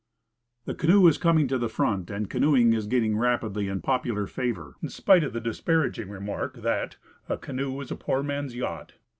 THE canoe is coming to the front, and canoeing is gaining rapidly in popular favor, in spite of the disparaging remark that "a canoe is the poor man's yacht."